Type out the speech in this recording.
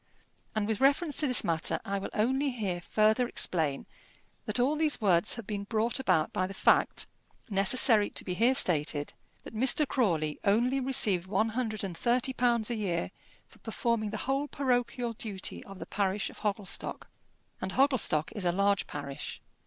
And with reference to this matter, I will only here further explain that all these words have been brought about by the fact, necessary to be here stated, that Mr. Crawley only received one hundred and thirty pounds a year for performing the whole parochial duty of the parish of Hogglestock. And Hogglestock is a large parish.